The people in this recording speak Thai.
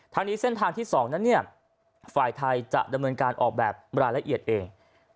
ทางนี้เส้นทางที่๒นั้นเนี่ยฝ่ายไทยจะดำเนินการออกแบบรายละเอียดเอง